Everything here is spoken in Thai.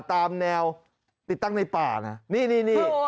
ตามแนวติดตั้งในป่านะนี่